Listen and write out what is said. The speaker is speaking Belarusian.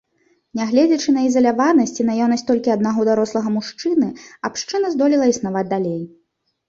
Негледзячы на ізаляванасць і наяўнасць толькі аднаго дарослага мужчыны, абшчына здолела існаваць далей.